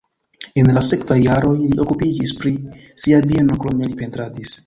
En la sekvaj jaroj li okupiĝis pri sia bieno, krome li pentradis.